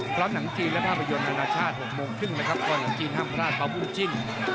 หนังจีนและภาพยนตร์นานาชาติ๖โมงครึ่งนะครับก่อนหนังจีนห้ามพลาดมาบูจิ้น